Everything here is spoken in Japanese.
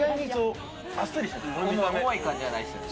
重い感じじゃないですよね。